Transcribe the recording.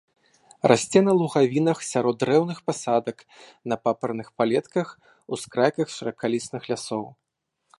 Расце на лугавінах сярод дрэўных пасадак, на папарных палетках, ускрайках шыракалістых лясоў.